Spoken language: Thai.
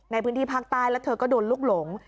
ในพื้นที่ภาคใต้แล้วเธอก็โดนลูกหลง